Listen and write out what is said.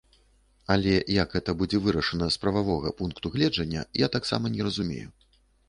Але як гэта будзе вырашана з прававога пункту гледжання, я таксама не разумею.